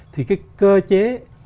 thì cái cơ chế